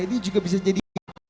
ini juga bisa jadi